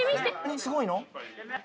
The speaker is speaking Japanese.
すごいの？